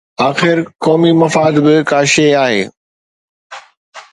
آخر قومي مفاد به ڪا شيءِ آهي.